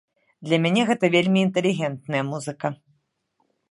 Для мяне гэта вельмі інтэлігентная музыка.